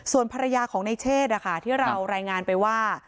ส่วนภรรยาของในเชศที่เรารายงานไปว่า